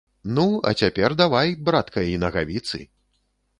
Ну, а цяпер давай, братка, і нагавіцы.